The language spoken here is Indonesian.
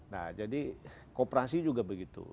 nah jadi kooperasi juga begitu